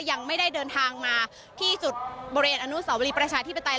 ยังไม่ได้เดินทางมาที่จุดบริเวณอนุสาวรีประชาธิปไตย